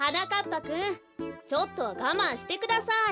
ぱくんちょっとはがまんしてください。